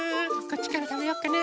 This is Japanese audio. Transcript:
こっちからたべようかな。